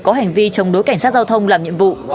có hành vi chống đối cảnh sát giao thông làm nhiệm vụ